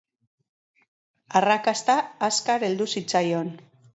Arrakasta azkar heldu zitzaion.